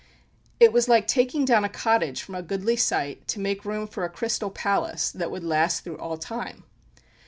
It was like taking down a cottage from a goodly site, to make room for a Crystal Palace that would last through all time.